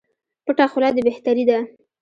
پټه خوله دي بهتري ده